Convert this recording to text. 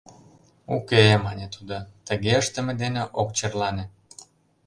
— Уке, — мане тудо, — тыге ыштыме дене ок черлане.